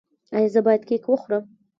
ایا زه باید کیک وخورم؟